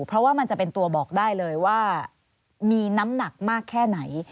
เพราะว่ามันจะเป็นตัวบอกได้เลยว่ามีน้ำหนักมากแค่ไหน